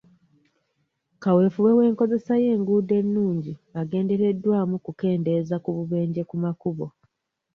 Kaweefube w'enkozesa y'enguudo ennungi agendereddwamu kukendeeza ku bubenje ku makubo.